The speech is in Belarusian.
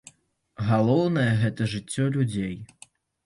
Галоўнае гэта жыццё людзей.